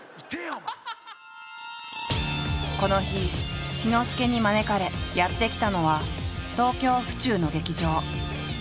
この日志の輔に招かれやって来たのは東京府中の劇場。